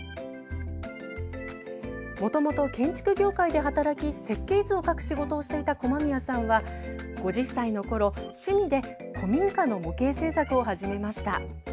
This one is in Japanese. もともと建築業界で働き設計図を描く仕事をしていた駒宮さんは５０歳のころ、趣味で古民家の模型制作を始めました。